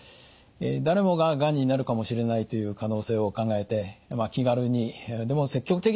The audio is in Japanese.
誰もががんになるかもしれないという可能性を考えて気軽にでも積極的にですね